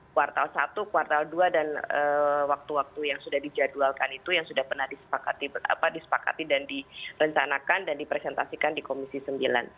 kuartal satu kuartal dua dan waktu waktu yang sudah dijadwalkan itu yang sudah pernah disepakati dan direncanakan dan dipresentasikan di komisi sembilan